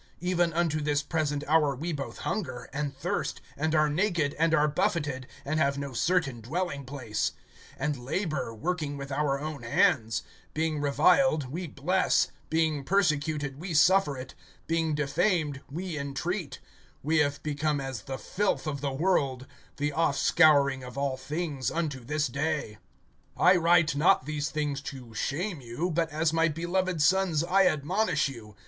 (11)Even unto this present hour we both hunger, and thirst, and are naked, and are buffeted, and have no certain dwelling place; (12)and labor, working with our own hands; being reviled, we bless; being persecuted, we suffer it; (13)being defamed, we entreat; we have become as the filth of the world, the offscouring of all things unto this day. (14)I write not these things to shame you, but as my beloved sons I admonish you.